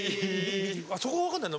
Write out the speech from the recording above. そこが分かんない。